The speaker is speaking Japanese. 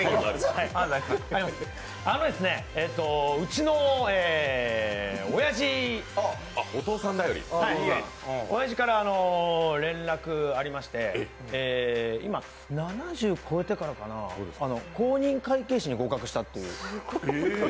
うちのおやじから連絡ありまして今、７０越えてからかな、公認会計士に合格したっていう。